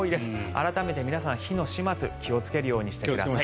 改めて、皆さん火の始末気をつけるようにしてください。